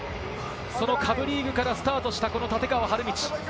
その下部リーグからスタートした、この立川理道。